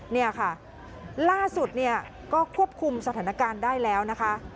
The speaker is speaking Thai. เนี่ยค่ะล่าสุดเนี่ยก็ควบคุมสถานการณ์ได้แล้วนะคะ